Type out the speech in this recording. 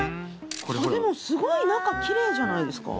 でもすごい中キレイじゃないですか？